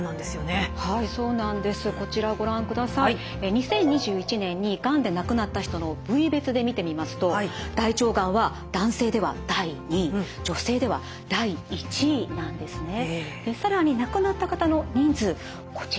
２０２１年にがんで亡くなった人の部位別で見てみますと大腸がんは男性では第２位女性では第１位なんですね。更に亡くなった方の人数こちら。